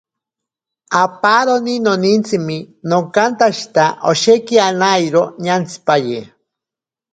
Aparoni nonintsime nokantshitya, osheki anairo ñantsipaye.